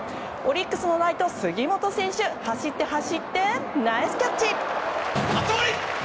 オリックスのライト、杉本選手走って、走ってナイスキャッチ！